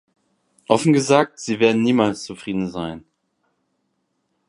Offen gesagt, sie werden niemals zufrieden sein.